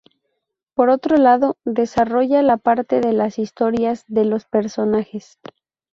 Por otro lado desarrolla la parte de las historias de los personajes.